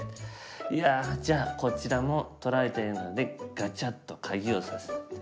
いやじゃあこちらも取られてるのでガチャッと鍵をさせて頂きます。